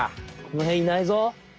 このへんいないぞ。